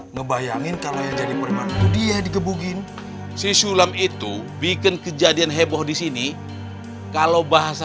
ngebayangin kalau yang jadi kreman itu dia yang digebukin si sulam itu bikin kejadian heboh di sini kalau bahasa